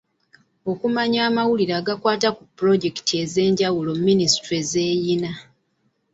Okumanya amawulire agakwata ku pulojekiti ez'enjawulo Minisitule z'erina.